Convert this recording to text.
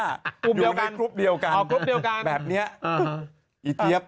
กรุ๊ปย่าสวยหรอ